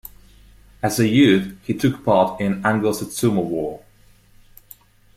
As a youth, he took part in the Anglo-Satsuma War.